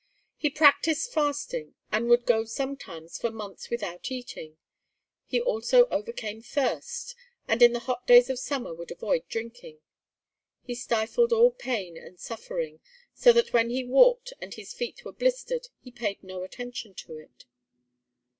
He practised fasting, and would go sometimes for months without eating. He also overcame thirst, and in the hot days of summer would avoid drinking. He stifled all pain and suffering, so that when he walked and his feet were blistered he paid no attention to it.